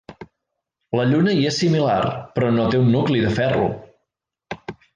La Lluna hi és similar, però no té un nucli de ferro.